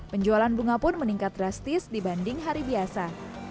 penjualan bunga pun meningkat drastis dibanding hari biasa